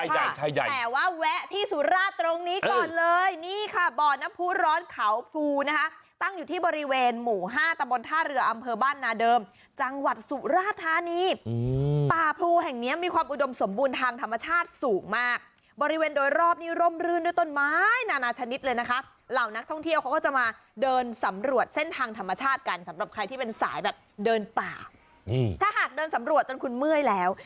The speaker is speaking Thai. เหล่านักท่องเที่ยวเขาก็จะมาเดินสำรวจเส้นทางธรรมชาติกันสำหรับใครที่เป็นสายแบบเดินปากนี่ถ้าหากเดินสำรวจจนคุณเมื่อยแล้ว